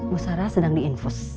bu sarah sedang di infus